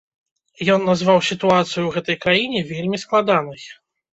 Ён назваў сітуацыю ў гэтай краіне вельмі складанай.